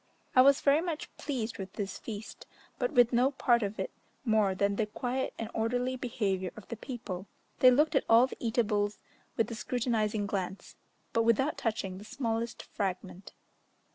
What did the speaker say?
I was very much pleased with this feast, but with no part of it more than the quiet and orderly behaviour of the people: they looked at all the eatables with a scrutinizing glance, but without touching the smallest fragment.